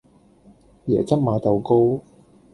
椰汁馬豆糕